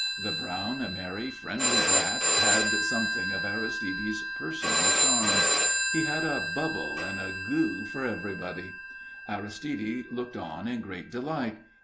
The brown, merry, friendly brat had something of Aristide's personal charm. He had a bubble and a "goo" for everyone. Aristide looked on in great delight.